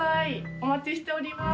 お待ちしております。